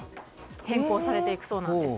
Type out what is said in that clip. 変更されていくそうです。